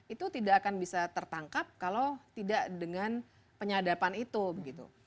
itu tidak akan bisa tertangkap kalau tidak dengan penyadapan itu begitu